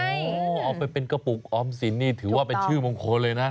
โอ้โหเอาไปเป็นกระปุกออมสินนี่ถือว่าเป็นชื่อมงคลเลยนะ